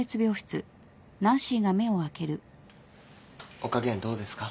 お加減どうですか？